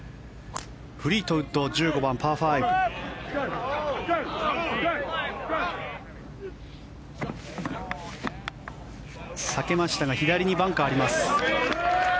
フリートウッド１５番、パー５。避けましたが左にバンカーがあります。